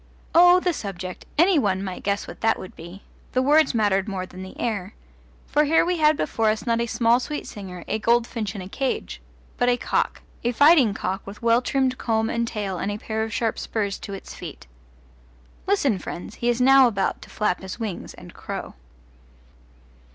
Oh, the subject! Any one might guess what that would be. The words mattered more than the air. For here we had before us not a small sweet singer, a goldfinch in a cage, but a cock a fighting cock with well trimmed comb and tail and a pair of sharp spurs to its feet. Listen, friends, he is now about to flap his wings and crow.